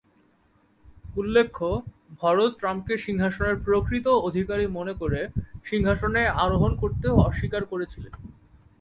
উল্লেখ্য, ভরত রামকে সিংহাসনের প্রকৃত অধিকারী মনে করে, সিংহাসনে আরোহণ করতেও অস্বীকার করেছিলেন।